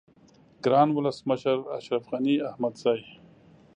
گران ولس مشر اشرف غنی احمدزی